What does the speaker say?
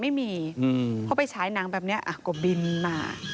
ไม่มีเพราะไปใช้นางแบบนี้ก็บินมา